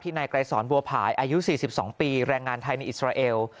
นายไกรสอนบัวผายอายุ๔๒ปีแรงงานไทยในอิสราเอล